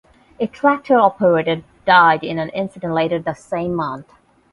A tractor operator died in an incident later the same month.